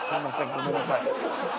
ごめんなさい。